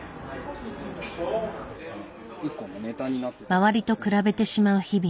周りと比べてしまう日々。